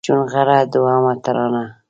چونغرته دوهمه ترانه